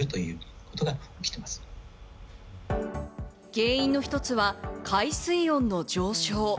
原因の一つは海水温の上昇。